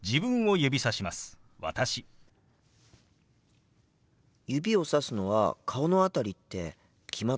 指をさすのは顔の辺りって決まっているんですか？